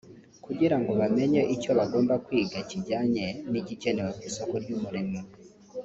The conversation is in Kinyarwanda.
kugira ngo bamenye icyo bagomba kwiga kijyanye n’igikenewe ku isoko ry’umurimo”